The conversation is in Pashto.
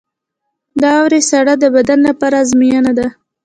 • د واورې ساړه د بدن لپاره ازموینه ده.